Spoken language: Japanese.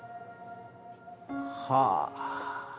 はあ！